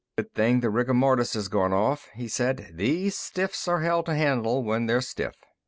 "Good thing the rigor mortis has gone off," he said, "these stiffs are hell to handle when they're stiff."